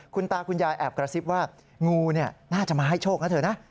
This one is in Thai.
คุณตาคุณยายแอบกระซิบว่างูน่าจะมาให้โชคนะเธอนะ